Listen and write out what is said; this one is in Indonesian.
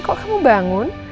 kok kamu bangun